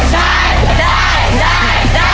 ได้หรือไม่ได้